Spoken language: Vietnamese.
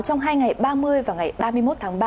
trong hai ngày ba mươi và ngày ba mươi một tháng ba